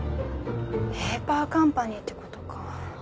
ペーパーカンパニーってことか。